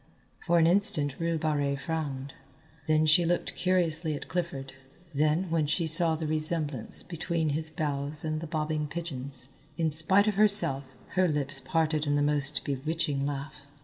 For an instant Rue Barrée frowned, then she looked curiously at Clifford, then when she saw the resemblance between his bows and the bobbing pigeons, in spite of herself, her lips parted in the most bewitching laugh.